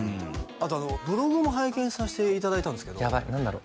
あとブログも拝見させていただいたんですけどやばい何だろう？